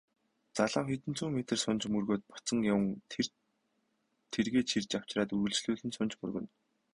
Залуу хэдэн зуун метр сунаж мөргөөд буцаж яван тэргээ чирч авчраад үргэлжлүүлэн сунаж мөргөнө.